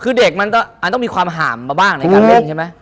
คือเด็กมันต้องมีความห่ามมาบ้างในการเล่นใช่ไหม